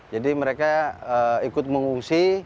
jadi mereka ikut mengungsi